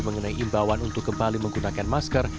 mengenai imbauan untuk kembali menggunakan masker